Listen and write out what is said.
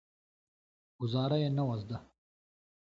ګوزارا یې نه وه زده.